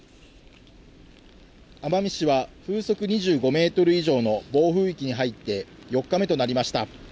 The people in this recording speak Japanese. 奄美市は風速２５メートル以上の暴風域に入って４日目となりました。